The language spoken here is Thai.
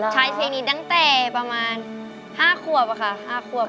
ใช้เพลงนี้ตั้งแต่ประมาณ๕ขวบค่ะ๕ขวบ